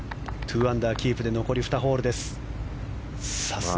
２アンダーキープで残り２ホールです。